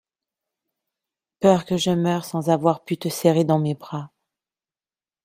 Peur que je meure sans avoir pu te serrer dans mes bras.